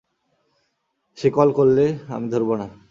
সে call করলে, আমি ধরব না।